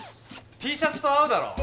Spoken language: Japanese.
Ｔシャツと合うだろ。